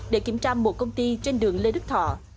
để kiểm tra một công ty trên đường lê đức thọ